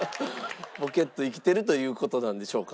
ボケッと生きてるという事なんでしょうか。